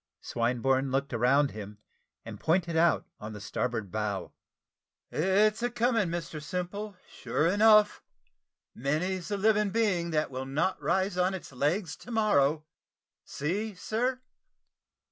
Swinburne looked around him, and pointed out on the starboard bow. "It's a coming, Mr Simple, sure enough; many's the living being that will not rise on its legs to morrow. See, sir."